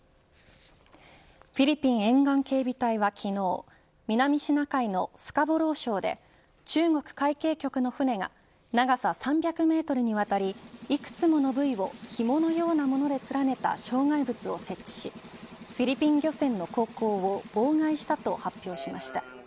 フィリピン沿岸警備隊は昨日南シナ海のスカボロー礁で中国海警局の船が長さ３００メートルにわたりいくつものブイをひものようなもので連ねた障害物を設置しフィリピン漁船の航行を妨害したと発表しました。